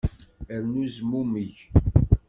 Rnu zmummeg.